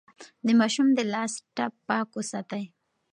د ماشوم د لاس ټپ پاک وساتئ.